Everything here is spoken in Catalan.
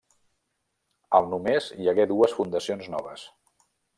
Al només hi hagué dues fundacions noves.